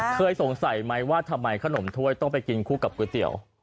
เคยสงสัยไหมว่าทำไมขนมถ้วยต้องไปกินคู่กับก๋วยเตี๋ยว